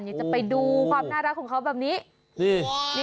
อยากจะไปดูความน่ารักของเขาแบบนี้